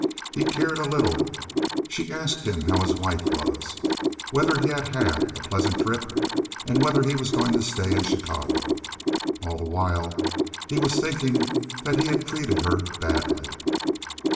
He cared a little. She asked him how his wife was, whether he had had a pleasant trip, whether he was going to stay in Chicago. All the while he was thinking that he had treated her badly.